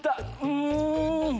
うん。